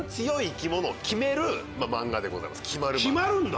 決まるんだ？